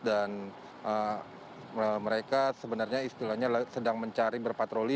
dan mereka sebenarnya istilahnya sedang mencari berpatroli